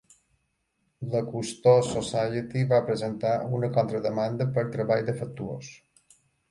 La Cousteau Society va presentar una contrademanda per treball defectuós.